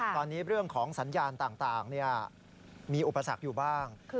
ตอนนี้เรื่องของสัญญาณต่างมีอุปสรรคอยู่บ้าง